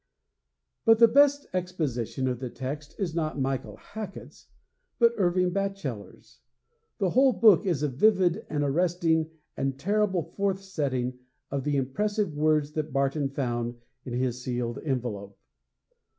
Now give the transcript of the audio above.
_' IV But the best exposition of the text is not Michael Hacket's, but Irving Bacheller's. The whole book is a vivid and arresting and terrible forth setting of the impressive words that Barton found in his sealed envelope.